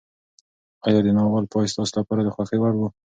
ایا د ناول پای ستاسو لپاره د خوښۍ وړ و؟